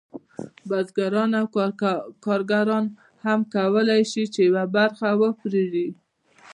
بزګران او کارګران هم کولی شي یوه برخه وپېري